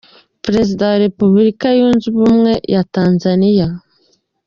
Perezida wa Repubulika Yunze Ubumwe ya Tanzania.